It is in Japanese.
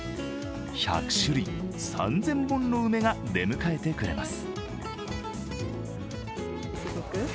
１００種類、３０００本の梅が出迎えてくれます。